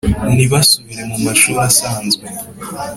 ntibasubire mu mashuri asanzwe